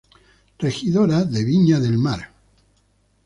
Regidora de Viña del Mar.